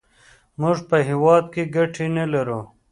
موږ په هېواد کې ګټې نه لرو.